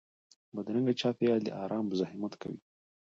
بدرنګه چاپېریال د ارام مزاحمت کوي